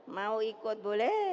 mau ikut boleh